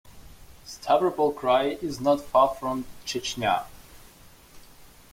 Stavropol Krai is not far from Chechnya.